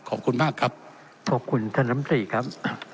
ขอบคุณมากครับขอบคุณท่านน้ำตรีครับ